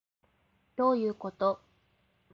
どういうこと